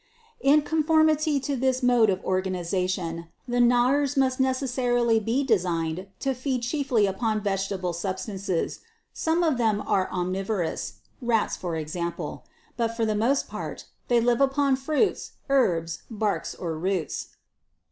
16. In conformity to this mode of organization, the gnawers must necessarily be designed to feed chiefly upon vegetable sub stances ; some of them are omnivorous (rats, (or example ;) but, for the most part, they live upon fruits, herbs, barks or roots.